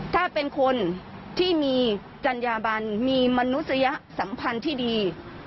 ถ้าเป็นคนที่มีจัญญาบันมีมนุษยสัมพันธ์ที่ดี